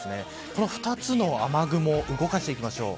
この２つの雨雲を動かしていきましょう。